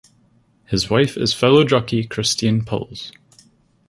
His wife is fellow jockey Christine Puls.